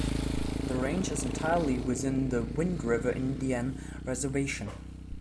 The range is entirely within the Wind River Indian Reservation.